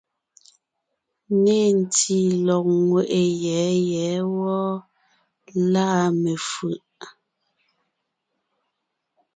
Nê ntí lɔ̀g ńŋeʼe yɛ̌ yɛ̌ wɔ́ɔ, lâ mefʉ̀ʼ.